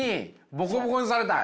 ボコボコにされたい。